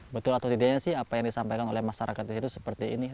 betul atau tidaknya sih apa yang disampaikan oleh masyarakat di situ seperti ini